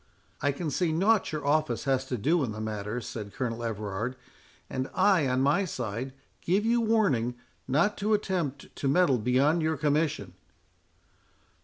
"I can see nought your office has to do in the matter," said Colonel Everard; "and I, on my side, give you warning not to attempt to meddle beyond your commission."